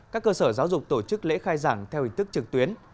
các cơ sở giáo dục tổ chức lễ khai giảng theo hình thức trực tuyến